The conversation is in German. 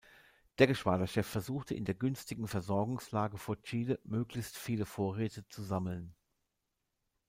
Der Geschwaderchef versuchte in der günstigen Versorgungslage vor Chile möglichst viel Vorräte zu sammeln.